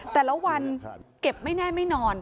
แต่ละวันเก็บไม่แน่ไม่นอน